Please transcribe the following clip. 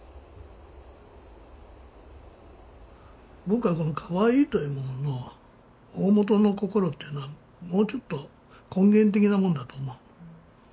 僕はこのかわいいというものの大本の心というのはもうちょっと根源的なもんだと思う。